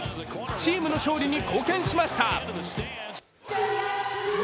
チームの勝利に貢献しました。